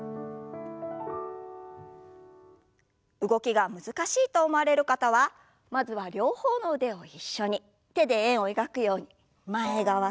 動きが難しいと思われる方はまずは両方の腕を一緒に手で円を描くように前側と後ろ側。